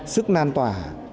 sức lan tỏa